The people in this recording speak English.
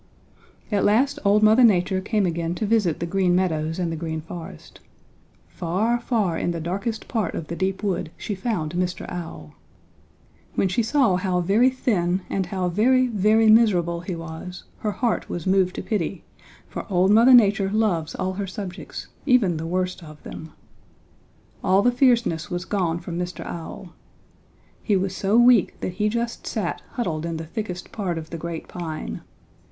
"At last old Mother Nature came again to visit the Green Meadows and the Green Forest. Far, far in the darkest part of the deep wood she found Mr. Owl. When she saw how very thin and how very, very miserable he was her heart was moved to pity, for old Mother Nature loves all her subjects, even the worst of them. All the fierceness was gone from Mr. Owl. He was so weak that he just sat huddled in the thickest part of the great pine.